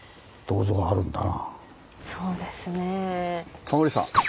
そうですね。